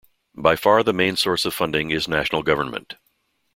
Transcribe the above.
By far the main source of funding is national government.